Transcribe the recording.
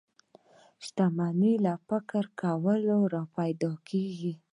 شتمني له فکر کولو را پيدا کېږي.